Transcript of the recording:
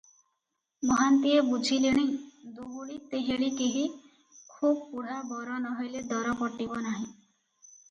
ମହାନ୍ତିଏ ବୁଝିଲେଣି, ଦୋହୁଳି ତେହଳି କେହି, ଖୁବ୍ ବୁଢା ବର ନ ହେଲେ ଦର ପଟିବ ନାହିଁ ।